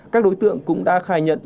các đối tượng cũng đã khai nhận